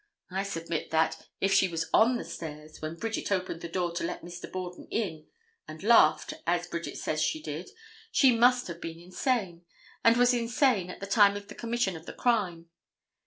I submit that, if she was on the stairs when Bridget opened the door to let Mr. Borden in and laughed, as Bridget says she did, she must have been insane, and was insane at the time of the commission of the crime.